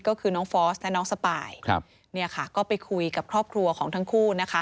ก็คือน้องฟอร์สและน้องสปายน์เขาก็ไปคุยกับครอบครัวของทั้งคู่